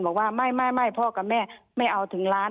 บอกว่าไม่พ่อกับแม่ไม่เอาถึงล้าน